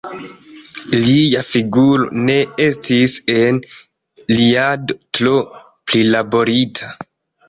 Lia figuro ne estis en Iliado tro prilaborita.